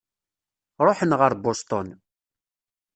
Ṛuḥen ɣer Boston.